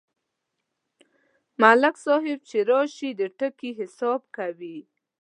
ملک صاحب چې راشي، د ټکي حساب کوي.